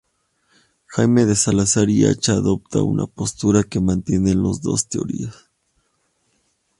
Jaime de Salazar y Acha adopta una postura que mantiene las dos teorías.